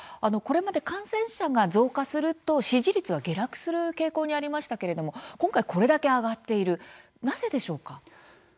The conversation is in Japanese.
これまで感染者が増加すると支持率は下落する傾向にありましたけれども今回これだけ上がっているなぜでしょうか。